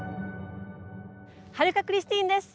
春香クリスティーンです。